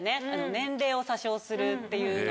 年齢を詐称するっていうのは。